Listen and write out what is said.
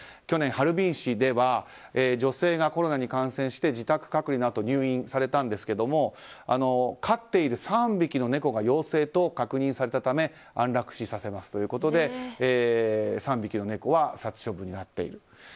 去年、ハルビン市では女性がコロナに感染して自宅隔離のあと入院されたんですが飼っている３匹の猫が陽性と確認されたため安楽死させますということで３匹の猫は殺処分になっている。